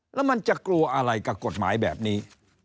แล้วมันจะกลัวอะไรกับกฎหมายแบบนี้